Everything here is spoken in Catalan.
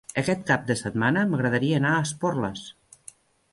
Aquest cap de setmana m'agradaria anar a Esporles.